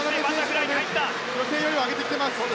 予選よりは上げてきています。